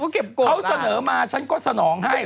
เขาเสนอมาฉันก็สนองให้